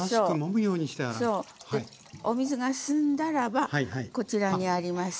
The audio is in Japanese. お水が澄んだらばこちらにあります。